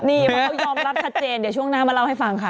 เพราะเขายอมรับชัดเจนเดี๋ยวช่วงหน้ามาเล่าให้ฟังค่ะ